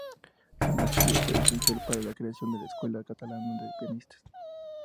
Su maestría fue esencial para la creación de una escuela catalana de pianistas.